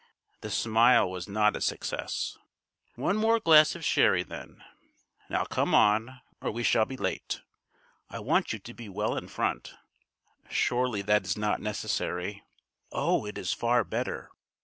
The smile was not a success. "One more glass of sherry, then. Now come on or we shall be late. I want you to be well in front." "Surely that is not necessary." "Oh, it is far better!